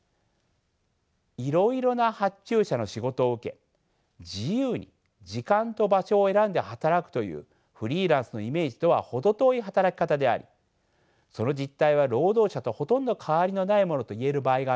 いろいろな発注者の仕事を受け自由に時間と場所を選んで働くというフリーランスのイメージとは程遠い働き方でありその実態は労働者とほとんど変わりのないものと言える場合があるのです。